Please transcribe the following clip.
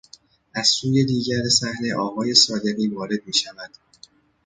از سوی دیگر صحنه آقای صادقی وارد میشود